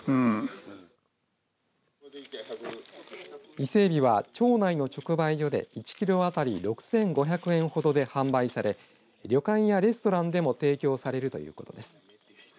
伊勢エビは町内の直売所で１キロ当たり６５００円ほどで販売され旅館やレストランでも提供されるということです。